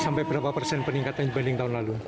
sampai berapa persen peningkatan dibanding tahun lalu